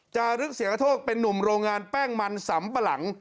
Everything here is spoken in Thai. จารึกเสียงกระโทกเป็นนุ่มโรงงานแป้งมันสำปะหลัง